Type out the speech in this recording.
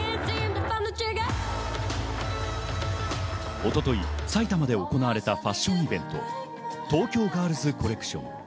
一昨日、埼玉で行われたファッションイベント、東京ガールズコレクション。